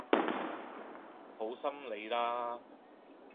好心你啦